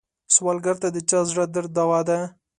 سوالګر ته د چا زړه درد دوا ده